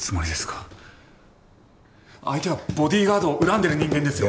相手はボディーガードを恨んでる人間ですよ！